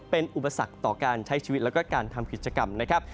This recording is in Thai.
เป็นอุปสรรคต่อการใช้ชีวิตแล้วก็การทำกิจกรรมนะครับ